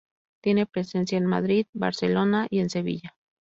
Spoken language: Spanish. Tiene presencia en Madrid, Barcelona y en Sevilla.